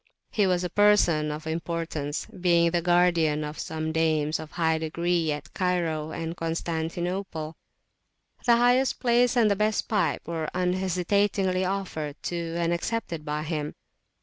He was a person of importance, being the guardian of some dames of high degree at Cairo and Constantinople: the highest place and [p.256] the best pipe were unhesitatingly offered to and accepted by him.